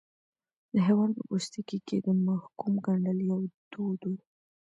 د حیوان په پوستکي کې د محکوم ګنډل یو دود و.